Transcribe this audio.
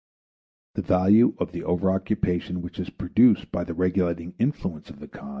The value of the over occupation which is produced by the regulating influence of the Cons.